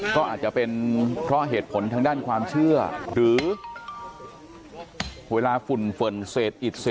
ก็อาจจะเป็นเพราะเหตุผลทางด้านความเชื่อหรือเวลาฝุ่นเศษอิด